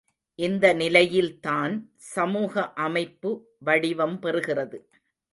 இந்த நிலையில்தான் சமூக அமைப்பு வடிவம் பெறுகிறது.